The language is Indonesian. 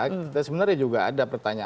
kita sebenarnya juga ada pertanyaan